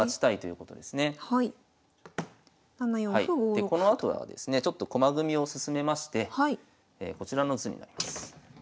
でこのあとはですねちょっと駒組みを進めましてこちらの図になります。